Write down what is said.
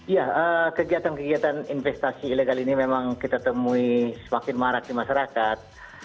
ya kegiatan kegiatan investasi ilegal ini memang kita temui semakin marak di masyarakat